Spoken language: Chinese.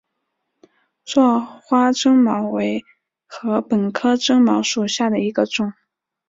座花针茅为禾本科针茅属下的一个种。